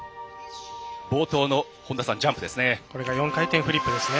冒頭のジャンプですね。